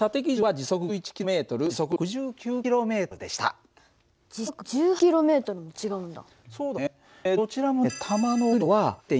時速１８ｋｍも違うんだ。